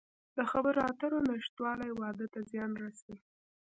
د خبرو اترو نشتوالی واده ته زیان رسوي.